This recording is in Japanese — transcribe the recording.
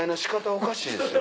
おかしいですよ。